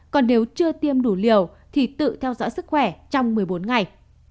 còn nếu chưa tiêm đủ liều thì tự theo dõi sức khỏe trong một mươi bốn ngày